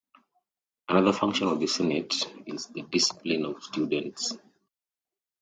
Another function of the Senate is the discipline of students.